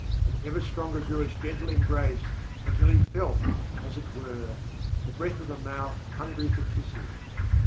And ever stronger grew its gentle embrace, until he felt, as it were, the breath of a mouth hungry for kisses...